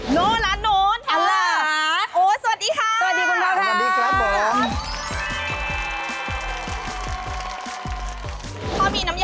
โน้นร้านโน้น